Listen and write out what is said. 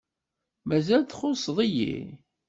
Mazal txuṣṣeḍ-iyi.